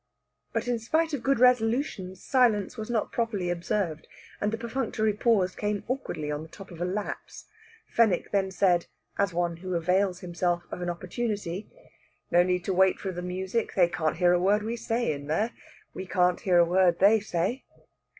But in spite of good resolutions silence was not properly observed, and the perfunctory pause came awkwardly on the top of a lapse. Fenwick then said, as one who avails himself of an opportunity: "No need to wait for the music; they can't hear a word we say in there. We can't hear a word they say."